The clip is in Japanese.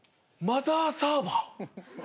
マザーサーバー？